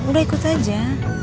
lo udah ikut aja